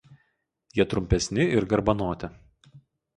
Jie trumpesni ir garbanoti.